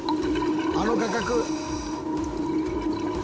「あの画角！」